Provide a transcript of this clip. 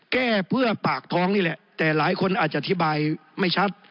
แก้เพื่อปากท้องนี่แหละแต่หลายคนอาจจะอธิบายไม่ชัด